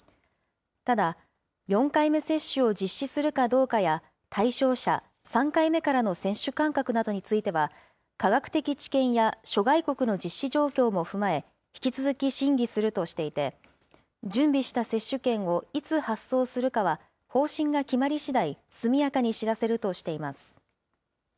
ただ、４回目接種を実施するかどうかや、対象者、３回目からの接種間隔などについては、科学的知見や諸外国の実施状況も踏まえ、引き続き審議するとしていて、準備した接種券をいつ発送するかは方針が決まりしだい、速やかに知らせるとしています。